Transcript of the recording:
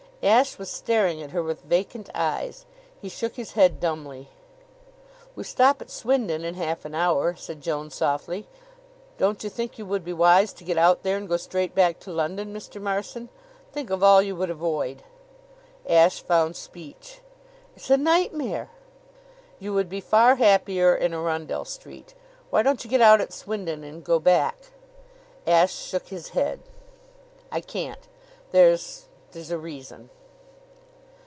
Ashe was staring at her with vacant eyes. He shook his head dumbly. "We stop at Swindon in half an hour," said Joan softly. "Don't you think you would be wise to get out there and go straight back to London, Mr. Marson? Think of all you would avoid!" Ashe found speech. "It's a nightmare!" "You would be far happier in Arundell Street. Why don't you get out at Swindon and go back?" Ashe shook his head. "I can't. There's there's a reason."